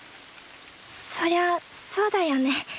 そりゃそうだよね。